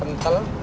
apa yang disuka mas